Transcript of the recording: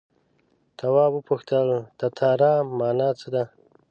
تواب وپوښتل تتارا مانا څه ده.